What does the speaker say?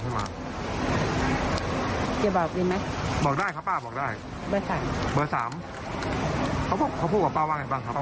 เขาพูดว่าป้าว่าอย่างไรบ้างว่าป้าว่าอย่างไรบ้าง